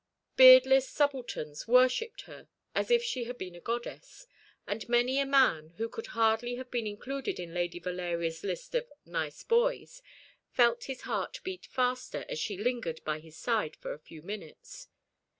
Beardless subalterns worshipped her as if she had been a goddess; and many a man, who could hardly have been included in Lady Valeria's list of "nice boys," felt his heart beat faster as she lingered by his side for a few minutes.